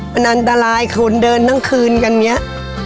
มันอันตรายคนเดินทั้งคืนกันอย่างนี้